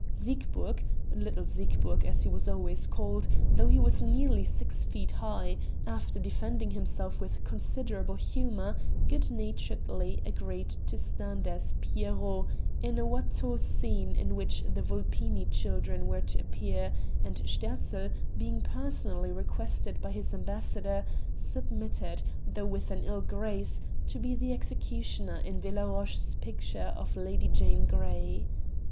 Siegburg little Siegburg, as he was always called, though he was nearly six feet high after defending himself with considerable humor, good naturedly agreed to stand as Pierrot, in a Watteau scene in which the Vulpini children were to appear; and Sterzl, being personally requested by his ambassador, submitted, though with an ill grace, to be the executioner in Delaroche's picture of Lady Jane Grey.